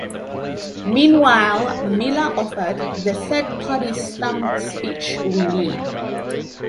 Meanwhile, Miller offered "The third-party stump speech we need".